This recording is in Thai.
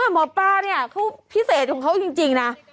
หมอปลาเนี่ยเขาพิเศษของเขาจริงนะ